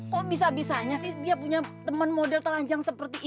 kok bisa bisanya sih dia punya teman model telanjang seperti ini